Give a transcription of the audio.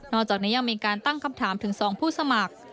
จากนี้ยังมีการตั้งคำถามถึง๒ผู้สมัคร